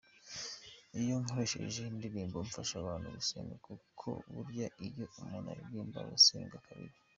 Iyo nkoresheje indirimbo mfasha abantu gusenga kuko burya iyo umuntu aririmba aba asenga kabiri.